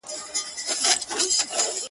• دا سرګم د خوږې میني شیرین ساز دی..